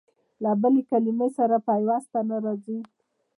له بلې کلمې سره پيوسته نه راځي.